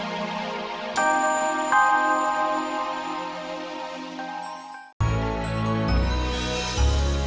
ayo pur jangan kalah